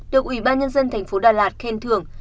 được ủy ban nhân dân thành phố đà lạt khen thưởng